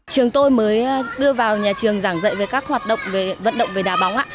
trường tôi mới đưa vào nhà trường giảng dạy về các hoạt động về vận động về đá bóng